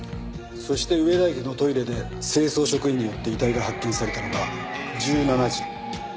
そして上田駅のトイレで清掃職員によって遺体が発見されたのが１７時。